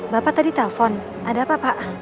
bapak tadi telpon ada apa pak